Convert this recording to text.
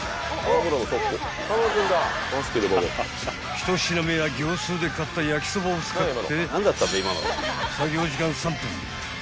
［１品目は業スーで買った焼そばを使って］